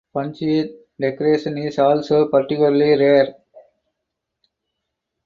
Punctate decoration is also particularly rare.